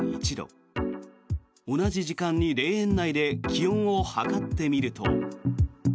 同じ時間に霊園内で気温を測ってみると。